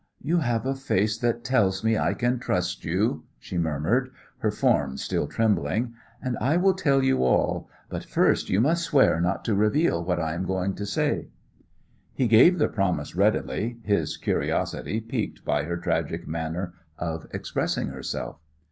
"You have a face that tells me I can trust you," she murmured, her form still trembling, "and I will tell you all, but first you must swear not to reveal what I am going to say." He gave the promise readily, his curiosity piqued by her tragic manner of expressing herself.